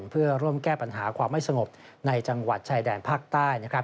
เพื่อร่วมแก้ปัญหาความไม่สงบในจังหวัดชายแดนภาคใต้